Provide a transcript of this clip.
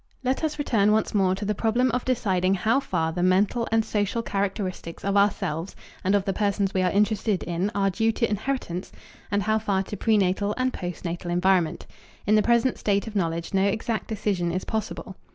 Let us return once more to the problem of deciding how far the mental and social characteristics of ourselves and of the persons we are interested in are due to inheritance and how far to pre natal and postnatal environment. In the present state of knowledge no exact decision is possible.